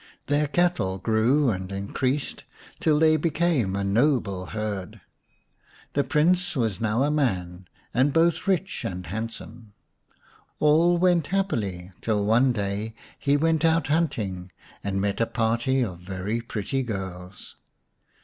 Their cattle grew and increased till they became a noble herd. The Prince was now a man, and both rich and handsome. All went happily till one day he went out hunting and met a party of very pretty girls.